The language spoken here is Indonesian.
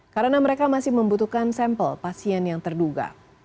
karena mereka masih membutuhkan sampel pasien yang terduga